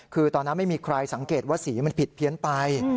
คือตอนนั้นไม่มีใครสังเกตว่าสีมันผิดเพี้ยนไป